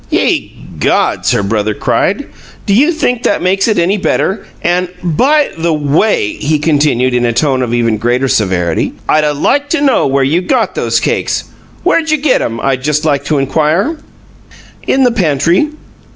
"Ye gods!" her brother cried. "Do you think that makes it any better? And, BY the WAY," he continued, in a tone of even greater severity, "I'd a like to know where you got those cakes. Where'd you get 'em, I'd just like to inquire?" "In the pantry."